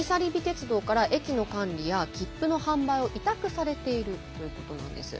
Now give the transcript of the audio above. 鉄道から駅の管理や切符の販売を委託されているということなんです。